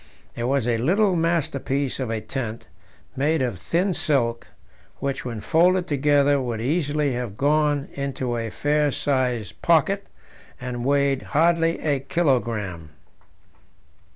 It was a little masterpiece of a tent, made of thin silk, which, when folded together, would easily have gone into a fair sized pocket, and weighed hardly a kilogram.